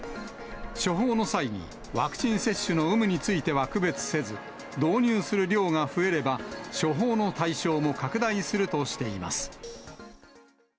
処方の際に、ワクチン接種の有無については区別せず、導入する量が増えれば、処方の対象も拡大するとしています。